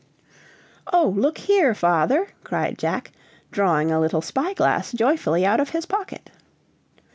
"Oh, look here, father!" cried Jack, drawing a little spyglass joyfully out of his pocket.